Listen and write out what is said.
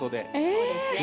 そうですね。